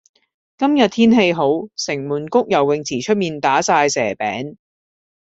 今日天氣好，城門谷游泳池出面打晒蛇餅。